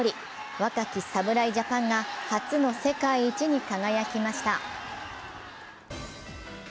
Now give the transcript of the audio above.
若き侍ジャパンが初の世界一に輝きました。